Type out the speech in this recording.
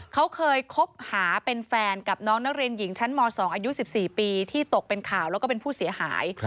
เขาเคยคบหาเป็นแฟนกับน้องนักเรียนหญิงชั้นม๒อายุ๑๔ปีที่ตกเป็นข่าวแล้วก็เป็นผู้เสียหาย